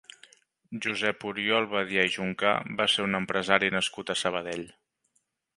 Josep Oriol Badia i Juncà va ser un empresari nascut a Sabadell.